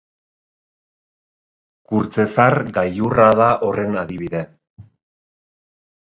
Kurtzezar gailurra da horren adibide.